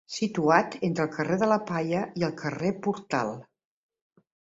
Situat entre el carrer de la Palla i el carrer Portal.